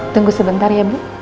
tunggu sebentar ya ibu